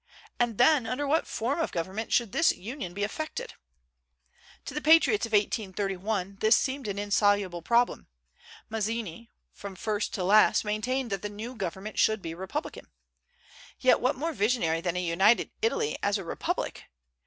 And then, under what form of government should this union be effected? To the patriots of 1831 this seemed an insoluble problem. Mazzini, from first to last, maintained that the new government should be republican. Yet what more visionary than a united Italy as a republic?